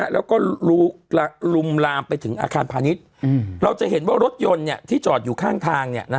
เราก็ลุลูลัมไปถึงอาคารพาณิทเราจะเห็นว่ารถยนต์เนี่ยที่จอดอยู่ข้างทางเนี่ย